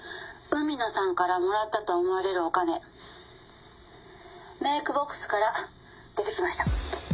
「海野さんからもらったと思われるお金メイクボックスから出てきました」